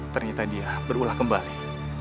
ternyata dia berulah kembali